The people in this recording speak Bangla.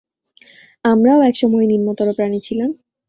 আমরাও এক সময়ে নিম্নতর প্রাণী ছিলাম।